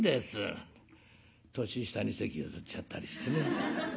年下に席譲っちゃったりしてね。